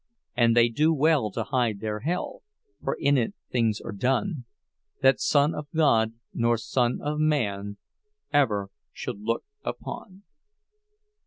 And they do well to hide their hell, For in it things are done That Son of God nor son of Man Ever should look upon!